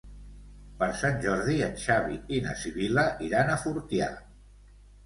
Per Sant Jordi en Xavi i na Sibil·la iran a Fortià.